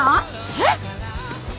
えっ？